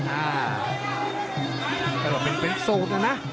อ่าแค่ว่าเป็นเป็นโซดเนี่ยนะ